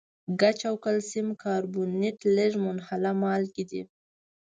ګچ او کلسیم کاربونیټ لږ منحله مالګې دي.